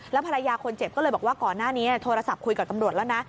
ภรรยาคนเจ็บก็เลยบอกว่าก่อนหน้านี้โทรศัพท์คุยกับตำรวจแล้วนะ